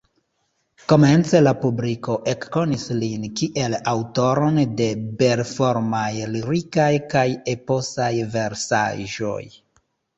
Komence la publiko ekkonis lin kiel aŭtoron de belformaj lirikaj kaj eposaj versaĵoj.